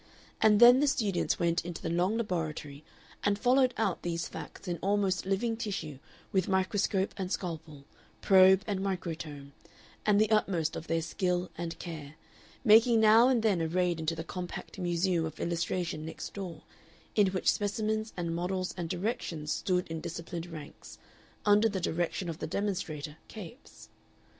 And then the students went into the long laboratory and followed out these facts in almost living tissue with microscope and scalpel, probe and microtome, and the utmost of their skill and care, making now and then a raid into the compact museum of illustration next door, in which specimens and models and directions stood in disciplined ranks, under the direction of the demonstrator Capes.